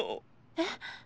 えっ？